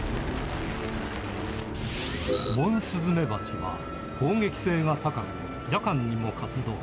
モンスズメバチは、攻撃性が高く、夜間にも活動。